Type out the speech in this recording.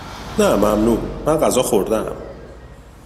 نه ممنون، من غذا خوردهام.